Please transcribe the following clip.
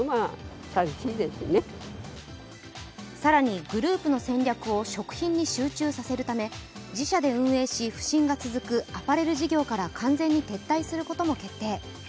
更にグループの戦略を食品に集中させるため自社で運営し、不振が続くアパレル事業から完全に撤退することも決定。